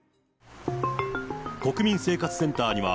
国民生活センターには、